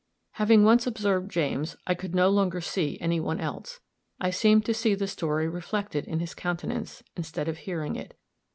Having once observed James, I could no longer see any one else. I seemed to see the story reflected in his countenance, instead of hearing it.